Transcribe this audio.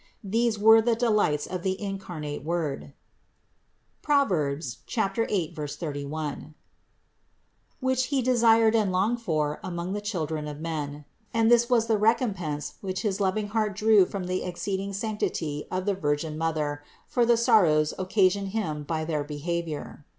These were the delights of the incarnate Word (Prov. 8, 31), which He desired and longed for among the children of men; and this was the recompense, which his loving heart drew from the exceeding sanctity of the Virgin Mother for the sorrows occasioned Him by their be havior.